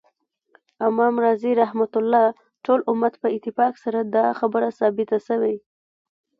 امام رازی رحمه الله : ټول امت په اتفاق سره دا خبره ثابته سوی